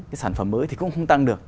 cái sản phẩm mới thì cũng không tăng được